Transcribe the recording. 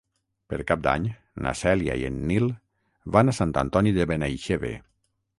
Per Cap d'Any na Cèlia i en Nil van a Sant Antoni de Benaixeve.